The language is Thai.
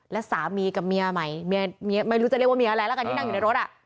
และสามีกับเมียใหม่เมียไม่รู้จะเรียกว่าเมียอะไรแล้วกันที่นั่งอยู่ในรถอ่ะ